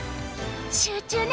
集中ね。